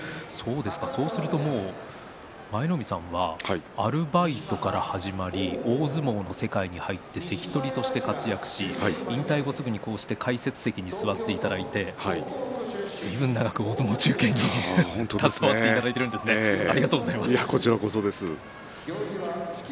そうすると舞の海さんはアルバイトから始まり大相撲の世界に入って関取として活躍し引退後すぐに解説席に座っていただいてずいぶん長く大相撲中継に携わっていただいているんですねいや、こちらこそです。